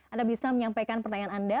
anda bisa menyampaikan pertanyaan anda